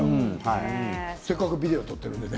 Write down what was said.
せっかくビデオをとっているんでね